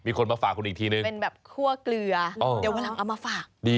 มีคนมาฝากคุณอีกทีนึงเป็นแบบคั่วเกลือเดี๋ยวกำลังเอามาฝาก